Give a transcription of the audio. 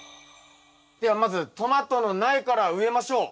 ではまずトマトの苗から植えましょう。